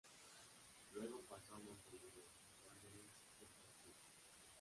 Luego pasó a Montevideo Wanderers Fútbol Club.